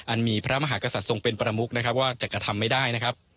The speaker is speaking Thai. อันมีพระมหากษัตริย์ทรงเป็นประมุกว่าจักรธรรมไม่ได้